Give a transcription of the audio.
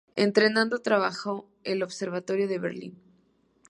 Entretanto, trabajó en el Observatorio de Berlín.